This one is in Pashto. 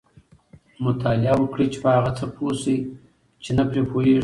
مطالعه وکړئ! چي په هغه څه پوه سئ، چي نه پرې پوهېږئ.